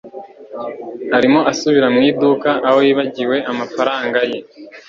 Arimo asubira mu iduka aho yibagiwe amafaranga ye